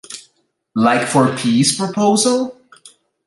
Like for peace proposal?